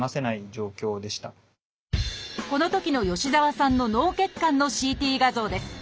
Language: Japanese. このときの吉澤さんの脳血管のＣＴ画像です。